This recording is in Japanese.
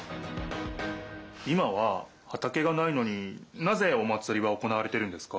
今ははたけがないのになぜお祭りは行われてるんですか？